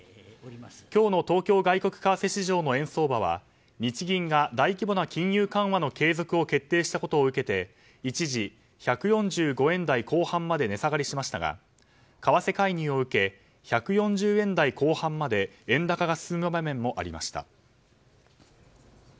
今日の東京外国為替市場の円相場は日銀が大規模な金融緩和の継続を決定したことを受けて一時、１４５円台後半まで値下がりしましたが為替介入を受け１４０円台後半まで円高が進む場面もありました。